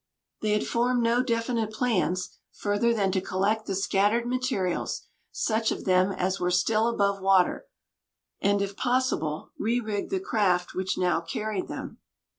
They had formed no definite plans, further than to collect the scattered materials, such of them as were still above water, and, if possible, re rig the craft which now carried them.